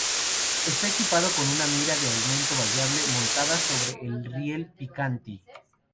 Está equipado con una mira de aumento variable, montada sobre el riel Picatinny.